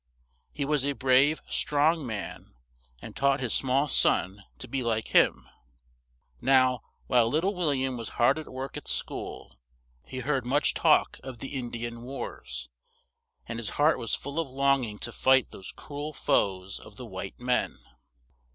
He was a brave, strong man, and taught his small son to be like him; now while lit tle Wil liam was hard at work at school, he heard much talk of the In di an wars; and his heart was full of long ing to fight these cru el foes of the white men.